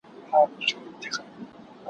ويل درې مياشتي چي كړې مي نشه ده